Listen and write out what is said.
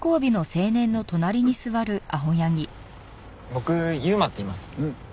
僕ユウマっていいます。